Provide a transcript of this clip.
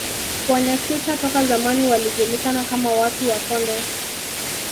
Wanyakyusa toka zamani walijulikana kama watu wa Konde